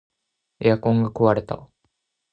エアコンが壊れた